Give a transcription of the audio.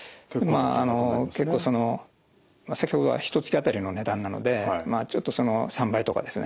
あの結構その先ほどはひとつきあたりの値段なのでまあちょっとその３倍とかですね